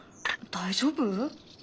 大丈夫？